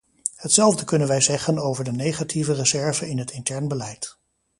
Hetzelfde kunnen wij zeggen over de negatieve reserve in het intern beleid.